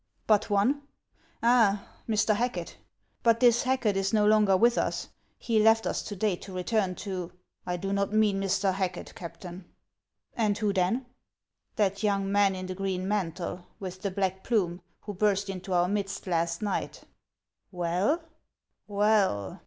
" But one ? Ah ! Mr. Racket ? But this Hacket is no longer with us ; he left us to day to return to —" I do not mean Mr. Hacket, Captain." " And who then ?" HANS OF ICELAND. 379 " That young man in the green mantle, with the black plume, who burst into our midst last night.'' "Well?" " Well